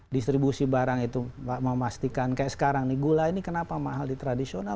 distribusi barang itu memastikan kayak sekarang nih gula ini kenapa mahal di tradisional